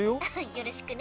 よろしくね。